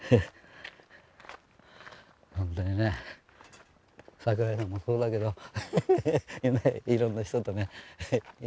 ほんとにね桜井さんもそうだけどいろんな人とね今は。